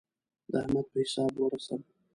د احمد په حساب ورسم.